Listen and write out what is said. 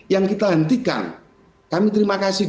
yang kita hentikan kami terima kasih